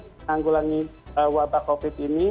tanggulangi wabah covid ini